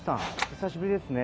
久しぶりですね。